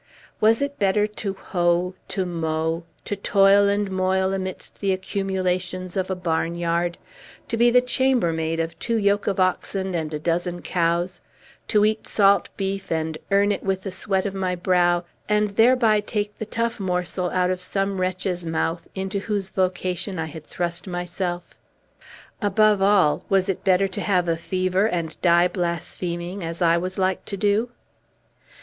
Was it better to hoe, to mow, to toil and moil amidst the accumulations of a barnyard; to be the chambermaid of two yoke of oxen and a dozen cows; to eat salt beef, and earn it with the sweat of my brow, and thereby take the tough morsel out of some wretch's mouth, into whose vocation I had thrust myself? Above all, was it better to have a fever and die blaspheming, as I was like to do?